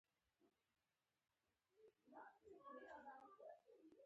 طالبان د واک د بیا انحصار په لټه کې دي.